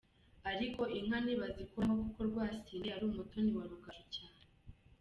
Ariko inka ntibazikoraho kuko Rwasine yari umutoni wa Rugaju cyane.